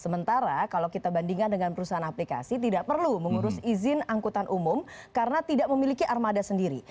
sementara kalau kita bandingkan dengan perusahaan aplikasi tidak perlu mengurus izin angkutan umum karena tidak memiliki armada sendiri